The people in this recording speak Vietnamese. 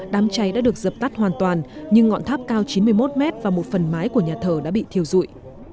đám cháy đã được dập tắt hoàn toàn nhưng ngọn tháp cao chín mươi một mét và một phần mái của nhà thờ đã bị thiêu dụi